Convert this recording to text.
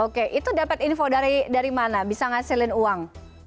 oke itu dapat info dari mana bisa ngasilin uang